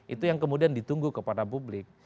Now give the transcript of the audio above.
itu yang kemudian ditunggu kepada publik